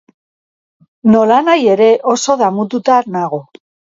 Nolanahi ere, oso damututa nago.